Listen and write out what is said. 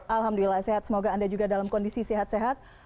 alhamdulillah sehat semoga anda juga dalam kondisi sehat sehat